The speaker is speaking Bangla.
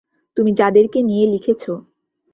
তুমি যাদেরকে নিয়ে লিখেছ।